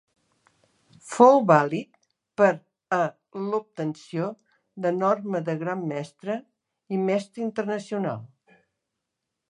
Fou vàlid per a l'obtenció de norma de Gran Mestre i Mestre Internacional.